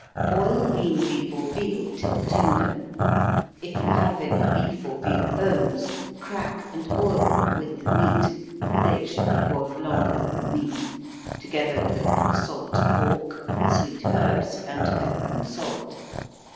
_ Boil lean beef or veal till tender. If you have any beef or veal bones, crack and boil them with the meat, (they should be boiled longer than the meat,) together with a little salt pork, sweet herbs, and pepper and salt.